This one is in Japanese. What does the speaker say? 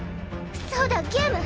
そうだゲーム！